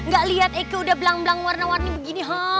gak liat eike udah belang belang warna warni begini ha